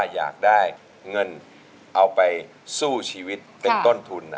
อยากได้เงินเอาไปสู้ชีวิตเป็นต้นทุน